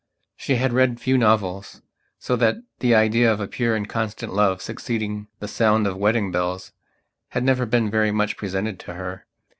She had read few novels, so that the idea of a pure and constant love succeeding the sound of wedding bells had never been very much presented to her.